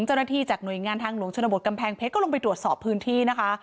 เจ้าหน้าที่จากหน่วยงานทางหลวงชนบทกำแพงเพชรก็ลงไปตรวจสอบพื้นที่นะคะ